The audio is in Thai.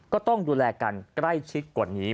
ก็ต้องดูแลกันใกล้ชิดกว่านี้